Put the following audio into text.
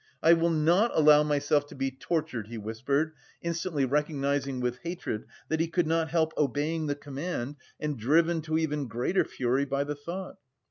"I will not allow myself to be tortured," he whispered, instantly recognising with hatred that he could not help obeying the command and driven to even greater fury by the thought.